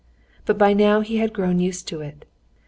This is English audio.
But by now he had grown used to it.